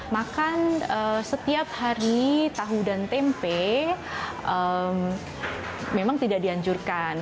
makan setiap hari tahu dan tempe memang tidak dianjurkan